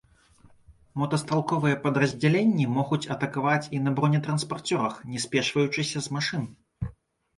Мотастралковыя падраздзяленні могуць атакаваць і на бронетранспарцёрах, не спешваючыся з машын.